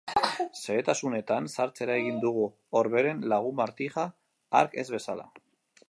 Xehetasunetan sartzera egin dugu, Orberen lagun Martija hark ez bezala.